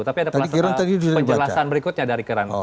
tapi ada penjelasan berikutnya dari keran